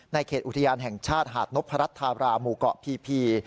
เขตอุทยานแห่งชาติหาดนพรัชธาราหมู่เกาะพี